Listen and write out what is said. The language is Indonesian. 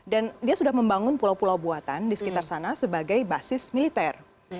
dan dia sudah membangun pulau pulau buatan di sekitar sana sebagai basis militer